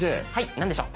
何でしょう。